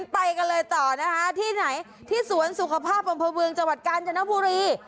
ไปเลยต่อที่ไหนที่สวนสุขภาพบำเผ้าเบืองจังหวัดกาญแจนวบุรี